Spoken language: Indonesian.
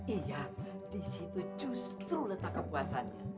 iya disitu justru letak kepuasannya